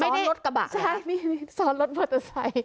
ซ้อนรถกระบะใช่ซ้อนรถปลอตเตอร์ไซค์